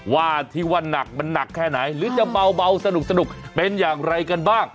ว่าที่ว่านักมันหนักแค่ไหนหรือจะเบาสนุกเป็นอย่างไรกันบ้าง